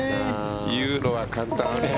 言うのは簡単。